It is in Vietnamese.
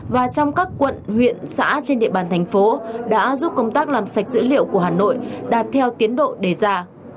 và trong các quận huyện xã trên địa bàn thành phố đã giúp công tác làm sạch dữ liệu của hà nội đạt theo tiến độ đề ra